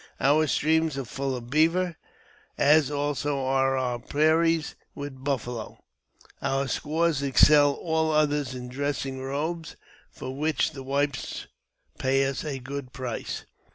Our streams are full of beaver, as also are our prairies with buffalo. Our squaws excel all others in dressing robes, for which the whites pay us a great price.